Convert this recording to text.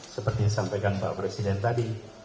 seperti yang disampaikan pak presiden tadi